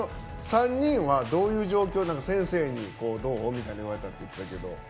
３人はどういう状況で先生に「どう？」みたいに言われたってことだけど。